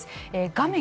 画面